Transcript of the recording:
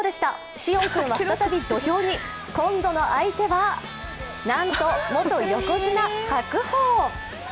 師園君は再び土俵に今度の相手は、なんと元横綱・白鵬。